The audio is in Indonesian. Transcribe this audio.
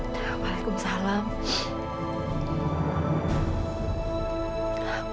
terima kasih ibu